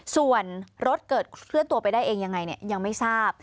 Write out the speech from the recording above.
ส่วนรถเกิดเคลื่อนตัวไปได้เองยังไงยังไม่ทราบ